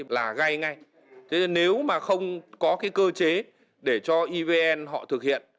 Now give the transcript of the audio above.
ngay ngay thế nếu mà không có cái cơ chế để cho ivn họ thực hiện